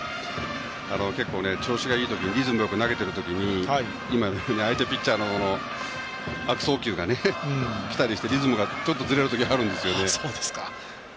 結構、調子がいい時リズムよく投げている時に今のように相手ピッチャーの悪送球が来たりしてリズムがずれる時があるんです。